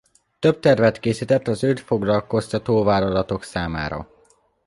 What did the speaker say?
Több tervet készített az őt foglalkoztató vállalatok számára.